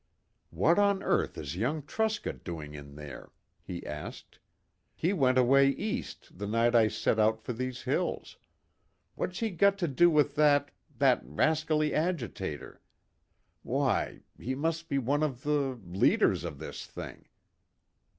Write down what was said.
"What on earth is young Truscott doing in there?" he asked. "He went away east the night I set out for these hills. What's he got to do with that that rascally agitator? Why he must be one of the leaders of this thing.